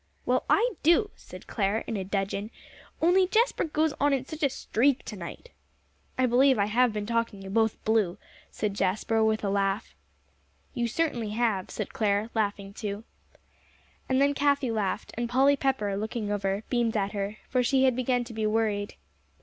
"Well, I do," said Clare, in a dudgeon, "only Jasper goes on in such a streak to night." "I believe I have been talking you both blue," said Jasper, with a laugh. "You certainly have," said Clare, laughing too. And then Cathie laughed, and Polly Pepper, looking over, beamed at her, for she had begun to be worried.